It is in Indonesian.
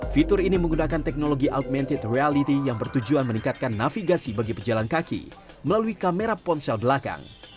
fitur ini menggunakan teknologi augmented reality yang bertujuan meningkatkan navigasi bagi pejalan kaki melalui kamera ponsel belakang